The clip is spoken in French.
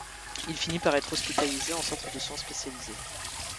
Il finit par être hospitalisé en centre de soins spécialisés.